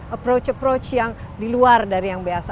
approach approach yang diluar dari yang biasa